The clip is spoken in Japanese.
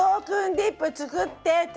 ディップ作って」って。